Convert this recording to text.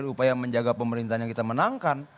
upaya menjaga pemerintahan yang kita menangkan